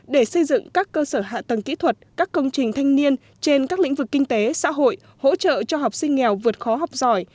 để xây dựng các cơ sở hạ tầng kỹ thuật các công trình thanh niên trên các lĩnh vực kinh tế xã hội hỗ trợ cho học sinh nghèo vượt khó học giỏi